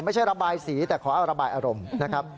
ไม่ใช่ระบายสีแต่ขอเอาระบายอารมณ์นะครับ